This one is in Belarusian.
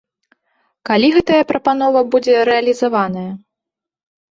Калі гэтая прапанова будзе рэалізаваная?